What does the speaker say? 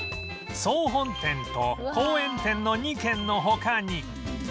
総本店と公園店の２軒の他に